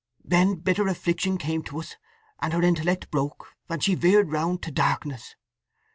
Then bitter affliction came to us, and her intellect broke, and she veered round to darkness.